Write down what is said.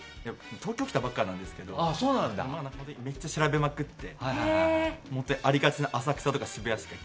東京来たばかりなんですけどめっちゃ調べまくってありがちな浅草とか渋谷とか。